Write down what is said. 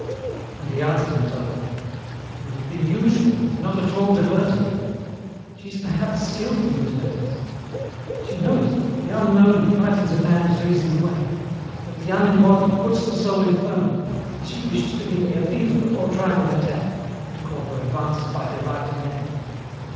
And he answered himself, "It would have been usual and not at all diverting. She is perhaps skilled in these matters. She knows that the unknown frightens a man's reason away, that the unembodied puts the soul in ferment, and she wished to give me a fever before trying an attack to call her advances by their right name.